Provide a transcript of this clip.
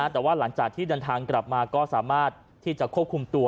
แต่ว่าหลังจากที่เดินทางกลับมาก็สามารถที่จะควบคุมตัว